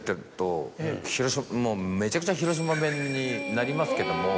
もうめちゃくちゃ。になりますけども。